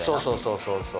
そうそうそう。